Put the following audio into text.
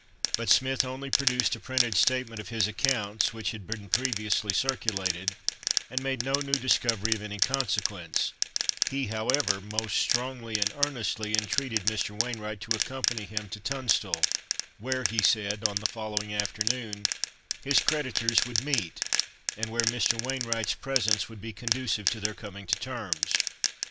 But Smith only produced a printed statement of his accounts, which had been previously circulated, and made no new discovery of any consequence; he, however, most strongly and earnestly entreated Mr. Wainwright to accompany him to Tunstall, where, he said, on the following afternoon, his creditors would meet, and where Mr. Wainwright's presence would be conducive to their coming to terms.